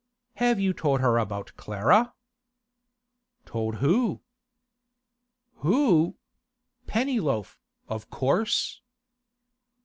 'Have you told her about Clara?' 'Told who?' 'Who? Pennyloaf, of course.